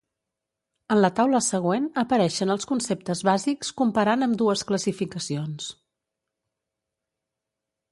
En la taula següent apareixen els conceptes bàsics comparant ambdues classificacions.